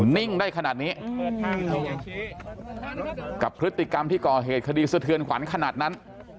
นิ่งได้ขนาดนี้กับพฤติกรรมที่ก่อเหตุคดีสะเทือนขวัญขนาดนั้น